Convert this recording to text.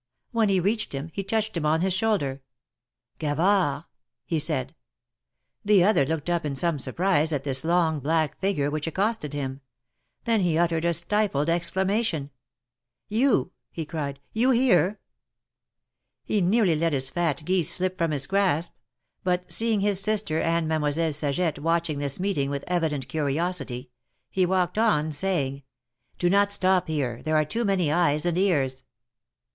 When he reached him, he touched him on his shoulder. Gavard !" he said. The other looked up in some surprise at this long, black figure, which accosted him. Then he uttered a stifled exclamation ; THE MARKETS OF PARIS. 55 You !" he cried ; you here !" He nearly let his fat geese slip from his grasp; but seeing his sister and Mademoiselle Saget watching this meeting with evident curiosity, he walked on, saying : ''Do not stop here; there are too many eyes and ears."